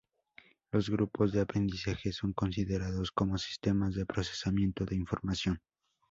Los grupos de aprendizaje son considerados como sistemas de procesamiento de información.